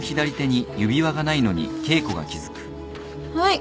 はい。